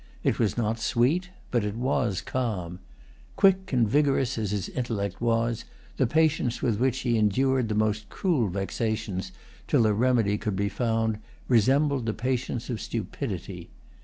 It was not sweet; but it was calm. Quick and vigorous as his intellect was, the patience with which he endured the most cruel vexations, till a remedy could be found, resembled the patience of stupidity.